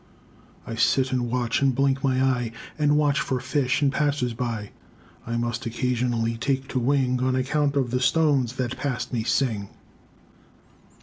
I sit and watch and blink my eye And watch for fish and passers by; I must occasionally take to wing On account of the stones that past me sing.